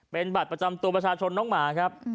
เป็นบัตรประจำตัวประชาชนน้องหมาครับ